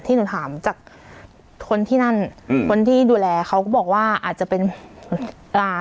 หนูถามจากคนที่นั่นอืมคนที่ดูแลเขาก็บอกว่าอาจจะเป็นอ่า